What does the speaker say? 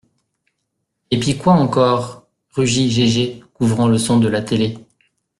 Et pis quoi, encore ? rugit Gégé, couvrant le son de la télé